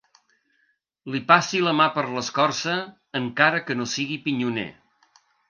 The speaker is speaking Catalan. Li passi la mà per l'escorça, encara que no sigui pinyoner.